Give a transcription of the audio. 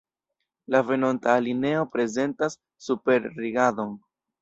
La venonta alineo prezentas superrigardon.